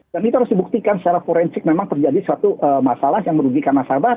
dan itu harus dibuktikan secara forensik memang terjadi suatu masalah yang merugikan nasabah